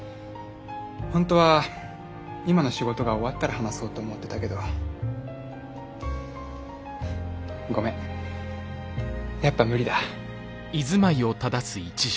本当は今の仕事が終わったら話そうと思ってたけどごめんやっぱ無理だ。